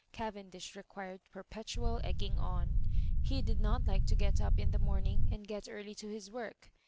Cavendish required perpetual egging on. He did not like to get up in the morning, and get early to his work.